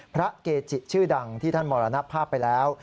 พระเกจิชื่อดังที่ท่านมรณภาพไปแล้ว